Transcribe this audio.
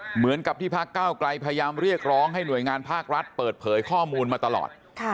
เหมือนกับที่พักเก้าไกลพยายามเรียกร้องให้หน่วยงานภาครัฐเปิดเผยข้อมูลมาตลอด